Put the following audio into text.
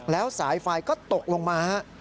แล้วสายไฟก็ตกลงมาฮะ